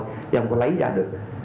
chứ không có lấy ra được